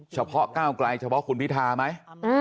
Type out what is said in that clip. ก้าวไกลเฉพาะคุณพิธาไหม